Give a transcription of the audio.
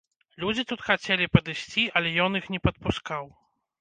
Людзі тут хацелі падысці, але ён іх не падпускаў.